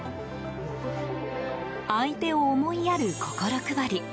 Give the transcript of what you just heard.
相手を思いやる心配り。